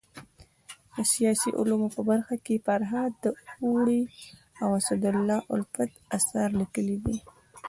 د سیاسي علومو په برخه کي فرهاد داوري او اسدالله الفت اثار ليکلي دي.